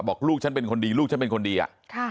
ลูกฉันเป็นคนดีลูกฉันเป็นคนดีอะ